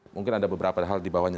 mungkin ada beberapa hal dibawahnya